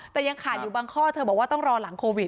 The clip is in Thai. แต่ยังขาดอยู่บางข้อเธอบอกว่าต้องรอหลังโควิด